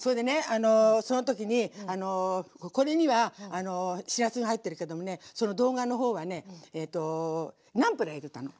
あのその時にこれにはしらすが入ってるけどもねその動画のほうはねナンプラー入れたの。